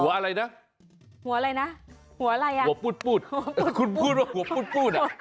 อะไรนะหัวอะไรนะหัวอะไรอ่ะหัวปุดคุณพูดว่าหัวปุดพูดอ่ะ